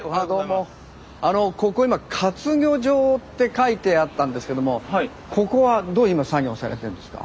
あのここ今「活魚場」って書いてあったんですけどもここはどういう今作業されてるんですか？